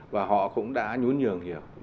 và họ cũng đã nhuốn nhường hiểu